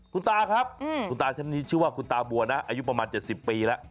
คุณตาครับคุณตาท่านนี้ชื่อว่าคุณตาบัวนะอายุประมาณ๗๐ปีแล้ว